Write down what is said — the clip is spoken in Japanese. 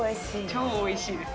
超おいしいです。